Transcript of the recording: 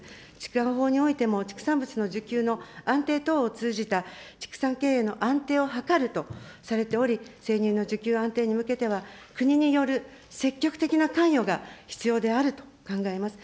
畜産法においても、畜産物の需給の安定を通じて、畜産経営の安定を図るとされており、生乳の需給安定に向けては、国による積極的な関与が必要であると考えます。